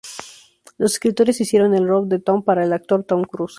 Los escritores hicieron el rol de Tom para el actor Tom Cruise.